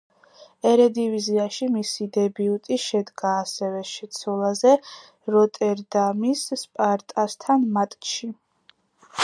ერედივიზიაში მისი დებიუტი შედგა ასევე შეცვლაზე, „როტერდამის სპარტასთან“ მატჩში.